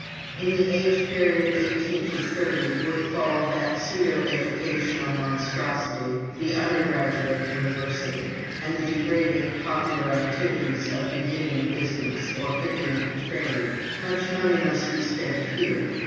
"In the age period of 18 to 30 would fall that pseudo educational monstrosity, the undergraduate university, and the degrading popular activities of 'beginning a business' or 'picking up a trade.' Much money must be spent here.